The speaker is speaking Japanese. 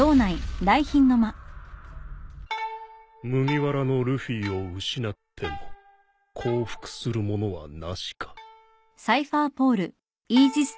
麦わらのルフィを失っても降伏する者はなしか。